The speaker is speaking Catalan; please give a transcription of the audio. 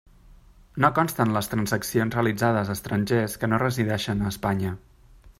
No consten les transaccions realitzades a estrangers que no resideixen a Espanya.